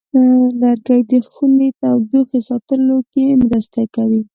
لرګی د خونې تودوخې ساتلو کې مرسته کوي.